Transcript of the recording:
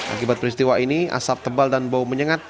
akibat peristiwa ini asap tebal dan bau menyengat